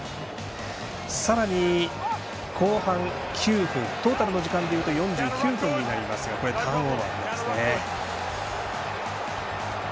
さらに、後半９分トータルの時間で言うと４９分になりますがターンオーバーですね。